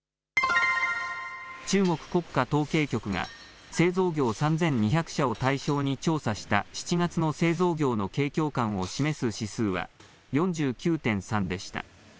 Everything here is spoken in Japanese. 中国国家統計局が製造業３２００社を対象に調査した７月の製造業の景況感を示す指数は４９．３でした。